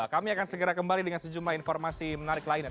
kami akan segera kembali dengan sejumlah informasi menarik lainnya